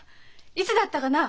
いつだったかな？